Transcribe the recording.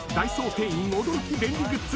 店員驚き便利グッズ